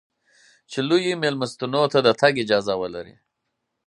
چې لویو مېلمستونو ته د تګ اجازه ولرې.